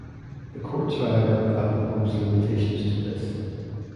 The courts, however, have imposed limitations to this.